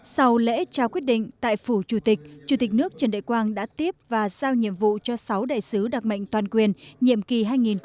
sau lễ trao quyết định tại phủ chủ tịch chủ tịch nước trần đại quang đã tiếp và giao nhiệm vụ cho sáu đại sứ đặc mệnh toàn quyền nhiệm kỳ hai nghìn một mươi năm hai nghìn hai mươi năm